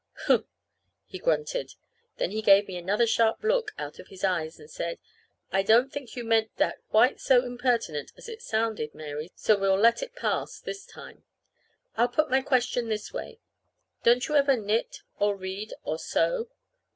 "Humph!" he grunted. Then he gave me another sharp look out of his eyes, and said: "I don't think you meant that to be quite so impertinent as it sounded, Mary, so we'll let it pass this time. I'll put my question this way: Don't you ever knit or read or sew?"